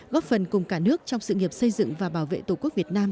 góp phần cùng cả nước trong sự nghiệp xây dựng và bảo vệ tổ quốc việt nam